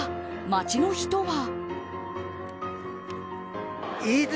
街の人は。